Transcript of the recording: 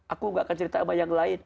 aku gak akan cerita sama yang lain